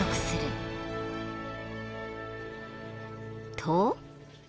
［と］